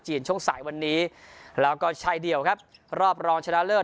ช่วงสายวันนี้แล้วก็ชายเดี่ยวครับรอบรองชนะเลิศ